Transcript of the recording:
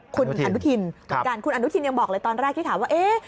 อันนุทินคุณอันนุทินยังบอกเลยตอนแรกที่ถามว่าเอ๊ะ